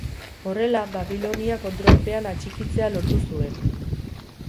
Horrela, Babilonia kontrolpean atxikitzea lortu zuen.